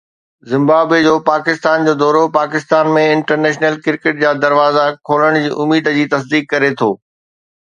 Zimbabwe جو پاڪستان جو دورو پاڪستان ۾ انٽرنيشنل ڪرڪيٽ جا دروازا کولڻ جي اميد جي تصديق ڪري ٿو